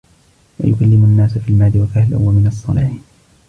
وَيُكَلِّمُ النَّاسَ فِي الْمَهْدِ وَكَهْلًا وَمِنَ الصَّالِحِينَ